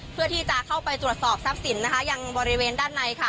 เพื่อที่จะเข้าไปตรวจสอบทรัพย์สินนะคะยังบริเวณด้านในค่ะ